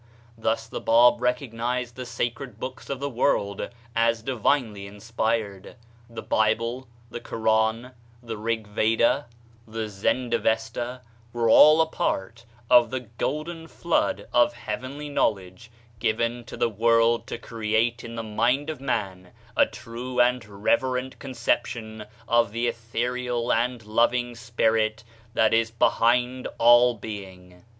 Thus the Bab recognized the sacred books of the world as divinely inspired. The Bible, the Koran, the Rig Veda, the Zend 36 THE SHINING PATHWAY Avesta were all a part of the golden flood of heavenly knowledge given to tne world to create in the mind of man a true and reverent conception of the ethereal and loving spirit that is behind all being.